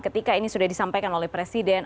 ketika ini sudah disampaikan oleh presiden